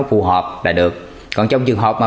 phù hợp là được còn trong trường hợp mà